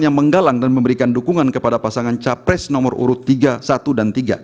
yang menggalang dan memberikan dukungan kepada pasangan capres nomor urut tiga satu dan tiga